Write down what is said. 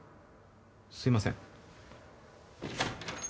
すいません。